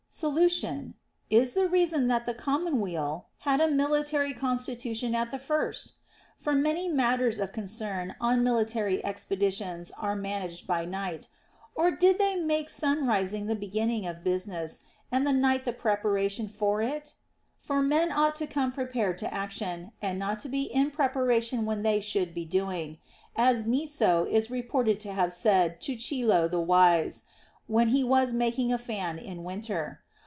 Solution. Is the reason that the commonweal had a military constitution at the first \ For many matters of concern on military expeditions are managed by night. Or did they make sunrising the beginning of business, and the night the preparation for it \ For men ought to come prepared to action, and not to be in preparation when they should be doing, — as Myso is reported to have said to Chilo the Wise, when he was making a fan in winter.